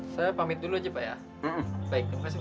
saya pamit dulu aja ya baik baik